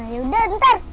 ya udah ntar